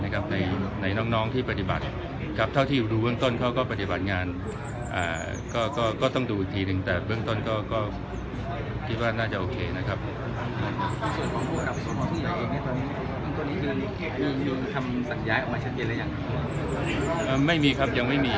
ก็ก็ก็ก็ก็ต้องดูอีกทีหนึ่งแต่เบื้องต้นก็ก็คิดว่าน่าจะโอเคนะครับ